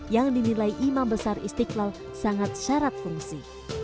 yang dinilai imam besar istiqlal sangat syarat fungsi